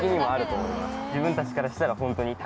自分たちからしたらホントに。